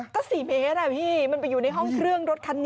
ก็๔เมตรพี่มันไปอยู่ในห้องเครื่องรถคันนี้